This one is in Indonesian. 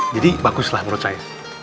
jadi baguslah menurut saya